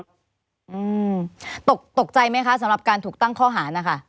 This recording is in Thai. อืมตกตกใจไหมคะสำหรับการถูกตั้งข้อหานะคะ